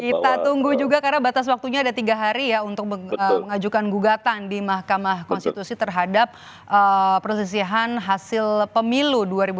kita tunggu juga karena batas waktunya ada tiga hari ya untuk mengajukan gugatan di mahkamah konstitusi terhadap persesihan hasil pemilu dua ribu dua puluh